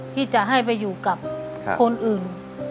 ที่จะให้ไปอยู่กับคนอื่น